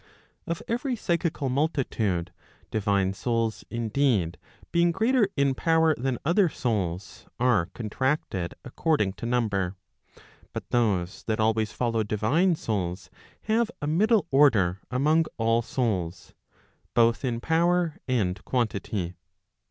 Of every psychical multitude, divine souls indeed being greater in power than other souls, are contracted according to number. But those that always follow divine souls have a middle order among all souls, both in power and quantity.